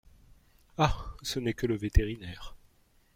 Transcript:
Ah ! ce n’est que le vétérinaire !…